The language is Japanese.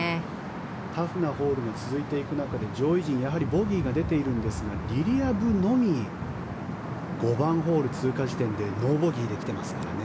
タフなホールが続いていく中で上位陣、やはりボギーが出ているんですがリリア・ブのみ５番ホール通過時点でノーボギーで来てますからね。